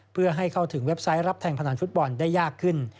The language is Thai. เพื่อให้เข้าถึงเว็บไซต์รับแทงพนันฟุตบอลได้ยากขึ้น